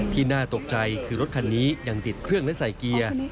น่าตกใจคือรถคันนี้ยังติดเครื่องและใส่เกียร์